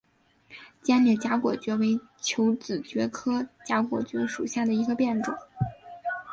尖裂荚果蕨为球子蕨科荚果蕨属下的一个变种。